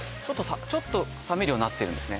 ちょっと冷めるようになってるんですね